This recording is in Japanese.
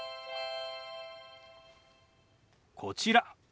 こちら。